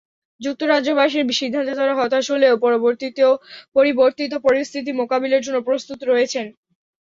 যুক্তরাজ্যবাসীর সিদ্ধান্তে তাঁরা হতাশ হলেও পরিবর্তিত পরিস্থিতি মোকাবিলার জন্য প্রস্তুত রয়েছেন।